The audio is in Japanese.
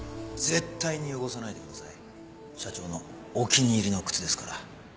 絶対に汚さないでください。社長のお気に入りの靴ですから。